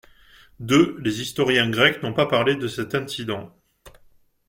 deux Les historiens grecs n'ont pas parlé de cet incident.